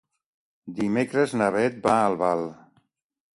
Dimecres na Beth va a Albal.